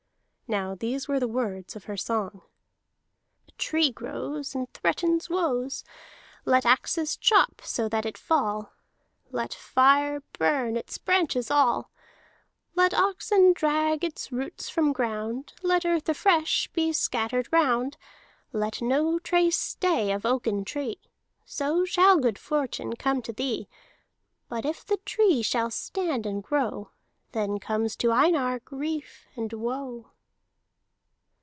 Now these were the words of her song: "A tree grows And threatens woes. Let axes chop so that it fall. Let fire burn its branches all. Let oxen drag its roots from ground. Let earth afresh be scattered round. Let no trace stay of oaken tree, So shall good fortune come to thee. But if the tree shall stand and grow, Then comes to Einar grief and woe."